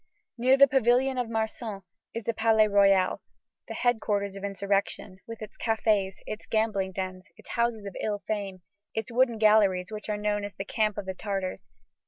Near the Pavilion of Marsan is the Palais Royal, that headquarters of insurrection, with its cafés, its gambling dens, its houses of ill fame, its wooden galleries which are known as the camp of the Tartars.